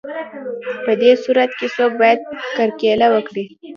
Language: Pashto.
په دې صورت کې څوک باید کرکیله وکړي